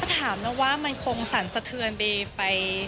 ถามนะว่ามันคงสั่นสะเทือนไป